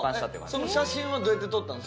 その写真はどうやって撮ったの？